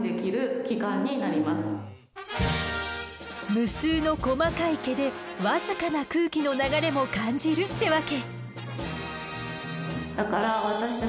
無数の細かい毛で僅かな空気の流れも感じるってわけ。